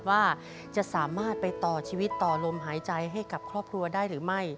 ว่าจะสามารถไปต่อชีวิตต่อลมหายใจให้กับครอบครัวได้หรือไม่